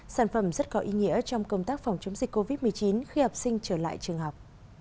sản phẩm rất có ý nghĩa trong công tác phòng chống dịch covid một mươi chín khi học sinh trở lại trường học